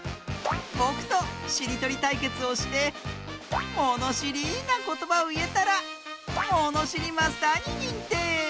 ぼくとしりとりたいけつをしてものしりなことばをいえたらもにしりマスターににんてい！